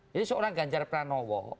jadi seorang ganjar pranowo